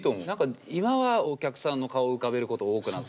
今はお客さんの顔を浮かべること多くなったけど。